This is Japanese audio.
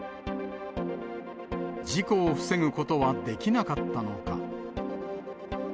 事故を防ぐことはできなかったのか。